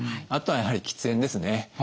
あとはやはり喫煙ですね。